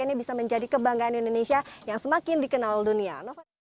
ini bisa menjadi kebanggaan indonesia yang semakin dikenal dunia